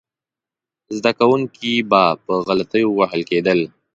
زده کوونکي به په غلطیو وهل کېدل.